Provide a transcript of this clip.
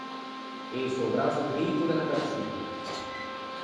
Ëse o brasso drito de unna persoña.